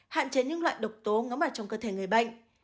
hạn chế những loại độc tố ngắm vào trong cơ thể người bệnh